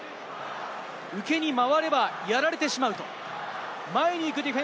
受けに回ればやられてしまう。